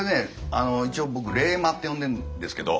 一応僕「冷マ」って呼んでんですけど。